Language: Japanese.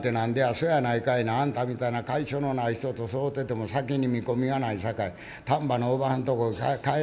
「そやないかいなあんたみたいな甲斐性のない人と添うてても先に見込みがないさかい丹波のおばはん所へ帰らせてもらうわ」。